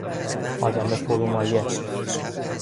آدم فرومایه